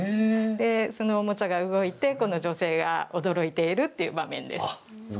このおもちゃが動いて女性が驚いているという場面です。